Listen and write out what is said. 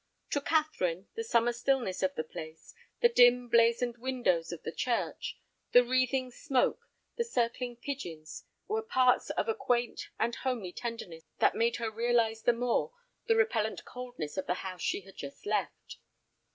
To Catherine the summer stillness of the place, the dim blazoned windows of the church, the wreathing smoke, the circling pigeons, were parts of a quaint and homely tenderness that made her realize the more the repellent coldness of the house she had just left.